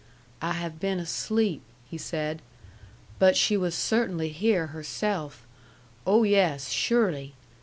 "I have been asleep," he said. "But she was cert'nly here herself. Oh, yes. Surely.